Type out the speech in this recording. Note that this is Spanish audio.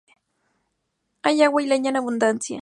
Hay agua y leña en abundancia.